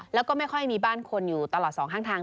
แล้วก็ไม่ค่อยมีบ้านคนอยู่ตลอดสองข้างทาง